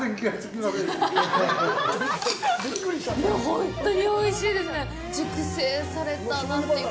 本当においしいですね！